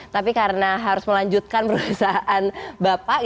tapi karena harus melanjutkan perusahaan bapak